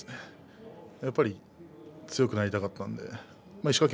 やっぱり強くなりたかったので石川県